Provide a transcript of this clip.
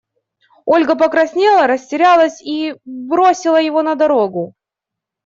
Ольга покраснела, растерялась и… бросила его на дорогу.